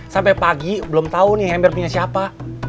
sampai pagi belum tahu nih ember punya siapa